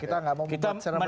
kita nggak mau buat serem lagi